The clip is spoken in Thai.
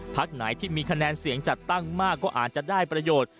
พักไหนที่มีคะแนนเสียงจัดตั้งมากก็อาจจะได้ประโยชน์